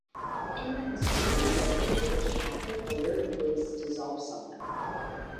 In the ensuing decades, the Catholic voter base dissolved somewhat.